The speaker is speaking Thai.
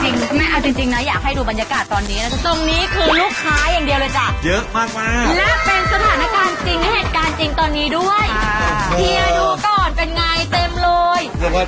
เฮียดูก่อนเป็นไงเต็มเลย